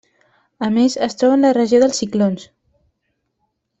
A més, es troba en la regió dels ciclons.